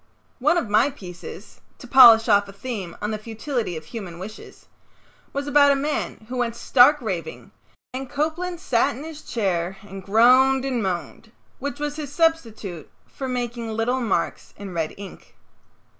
One of my pieces (to polish off a theme on the futility of human wishes) was about a man who went stark raving, and Copeland sat in his chair and groaned and moaned, which was his substitute for making little marks in red ink.